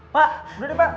pak udah deh pak